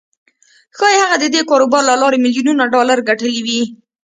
ښايي هغه د دې کاروبار له لارې ميليونونه ډالر ګټلي وي.